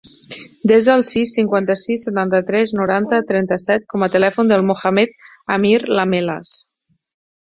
Desa el sis, cinquanta-sis, setanta-tres, noranta, trenta-set com a telèfon del Mohamed amir Lamelas.